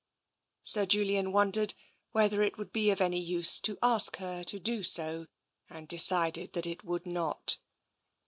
Sir Julian wondered whether it would be of any use to ask her to do so, and decided that it would not.